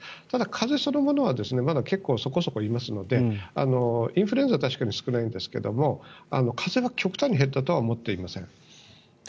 ただ、風邪そのものはまだ結構そこそこいますのでインフルエンザは確かに少ないんですが風邪は極端に減ったとは思っていません。